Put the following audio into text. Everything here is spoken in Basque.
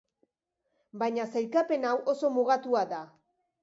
Baina sailkapen hau oso mugatua da.